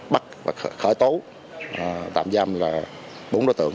bắt và khởi tố tạm giam là bốn đối tượng